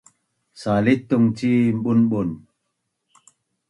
salitung cin bunbun